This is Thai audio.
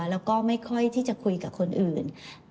แล้วก็ไม่ค่อยที่จะคุยกับคนอื่น